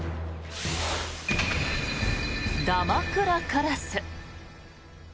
まくらカラス。